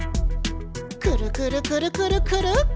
くるくるくるくるくる！